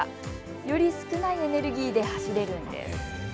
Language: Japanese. より少ないエネルギーで走れるんです。